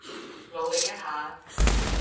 努力一下